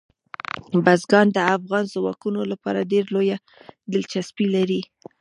بزګان د افغان ځوانانو لپاره ډېره لویه دلچسپي لري.